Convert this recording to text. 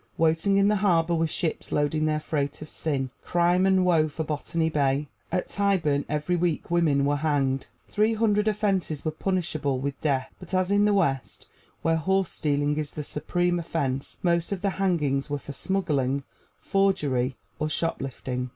Waiting in the harbor were ships loading their freight of sin, crime and woe for Botany Bay; at Tyburn every week women were hanged. Three hundred offenses were punishable with death; but, as in the West, where horse stealing is the supreme offense, most of the hangings were for smuggling, forgery or shoplifting.